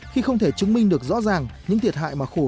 khi không thể chứng minh được rõ ràng những thiệt hại mà khổ